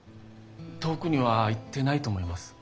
遠くには行ってないと思います。